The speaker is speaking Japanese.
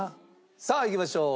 さあいきましょう。